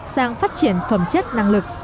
sang phát triển phẩm chất năng lực